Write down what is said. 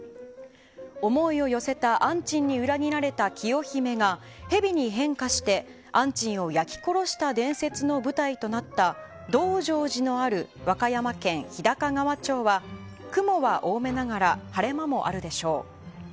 思いを寄せた安珍に裏切られた清姫がヘビに変化して安珍を焼き殺した伝説の舞台となった道成寺のある和歌山県日高川町は雲は多めながら晴れ間もあるでしょう。